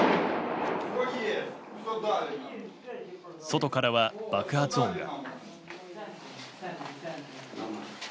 外からは爆発音が。